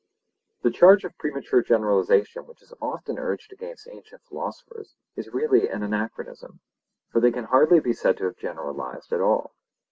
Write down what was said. The charge of premature generalization which is often urged against ancient philosophers is really an anachronism. For they can hardly be said to have generalized at all.